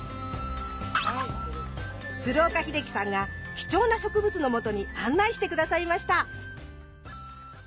鶴岡秀樹さんが貴重な植物のもとに案内して下さいました。